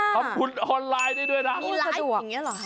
ทำคุณออนไลน์ได้ด้วยนะมีไลน์อย่างนี้หรอฮะ